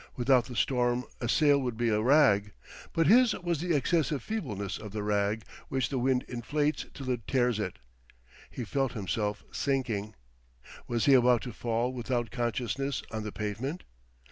Without the storm a sail would be a rag. But his was the excessive feebleness of the rag, which the wind inflates till it tears it. He felt himself sinking. Was he about to fall without consciousness on the pavement?